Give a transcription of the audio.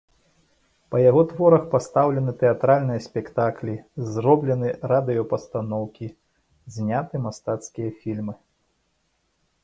Па яго творах пастаўлены тэатральныя спектаклі, зроблены радыёпастаноўкі, зняты мастацкія фільмы.